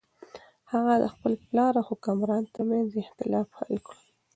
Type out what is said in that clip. هغه د خپل پلار او حکمران تر منځ اختلاف حل کړ.